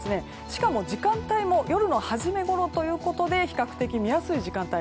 しかも時間帯も夜の初めごろということで比較的、見やすい時間帯。